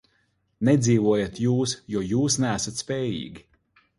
Nedzīvojat jūs, jo jūs neesat spējīgi.